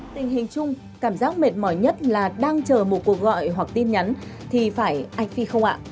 tình hình chung cảm giác mệt mỏi nhất là đang chờ một cuộc gọi hoặc tin nhắn thì phải ách phi không ạ